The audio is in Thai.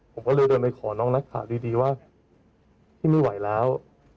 ผมก็เลยเดินไปขอน้องนักข่าวดีว่าพี่ไม่ไหวแล้ว